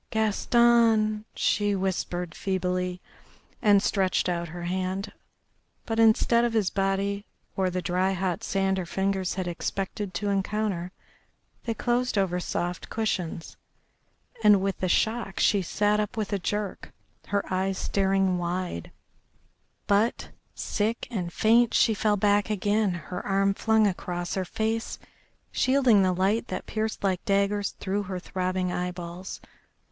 "Gaston," she whispered feebly, and stretched out her hand. But instead of his body or the dry hot sand her fingers had expected to encounter they closed over soft cushions, and with the shock she sat up with a jerk, her eyes staring wide, but, sick and faint, she fell back again, her arm flung across her face, shielding the light that pierced like daggers through her throbbing eye balls.